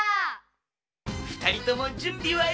ふたりともじゅんびはええか？